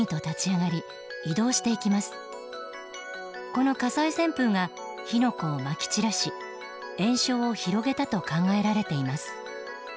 この火災旋風が火の粉をまき散らし延焼を広げたと考えられています。